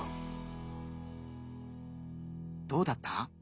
どうだった？